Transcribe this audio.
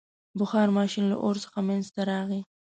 • بخار ماشین له اور څخه منځته راغی.